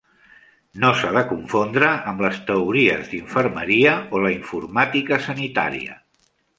No s'ha de confondre amb les teories d'infermeria o la informàtica sanitària.